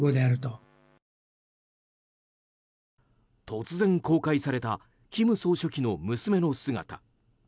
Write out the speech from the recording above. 突然、公開された金総書記の娘の姿。